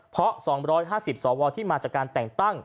เพราะ๒๕๐สวที่มาจากการแต่งตั้ง